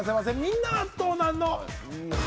みんなどうなの？